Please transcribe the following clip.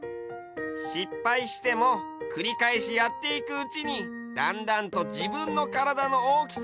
しっぱいしてもくりかえしやっていくうちにだんだんと自分の体の大きさが分かるんだね！